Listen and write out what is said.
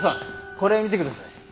これ見てください。